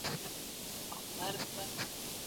مصرفي مرستې اوږدمهاله ګټه نه لري.